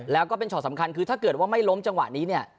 แล้วก็เป็นช็อตสำคัญคือถ้าเกิดว่าไม่ล้มจังหวะนี้เนี่ย